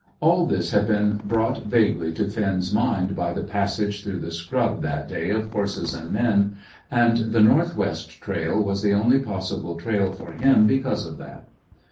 All this had been brought vaguely to Finn's mind by the passage through the scrub that day of horses and men, and the north west trail was the only possible trail for him because of that.